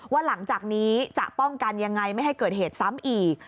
หลังจากนี้จะป้องกันยังไงไม่ให้เกิดเหตุซ้ำอีก